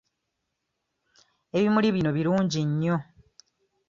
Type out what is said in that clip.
Ebimuli bino birungi nnyo.